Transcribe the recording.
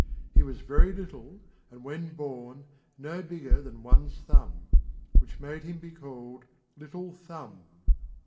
He was very little, and, when born, no bigger than one's thumb; which made him be called Little Thumb.